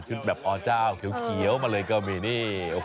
แบบอเจ้าเขียวมาเลยก็มีนี่